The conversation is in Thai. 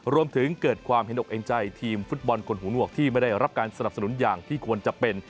รวมถึงเกิดความเห็นอกเห็นใจทีมฟุตบอลคนหูหนวกที่ไม่ได้รับการสนับสนุนอย่างที่ควรจะเป็น